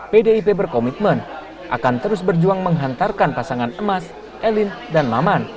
pdip berkomitmen akan terus berjuang menghantarkan pasangan emas elin dan maman